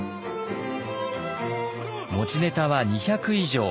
持ちネタは２００以上。